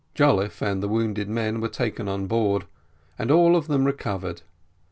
Jolliffe and the wounded men were taken on board, and all of them recovered.